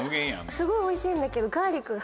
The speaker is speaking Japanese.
すごいおいしいんだけど。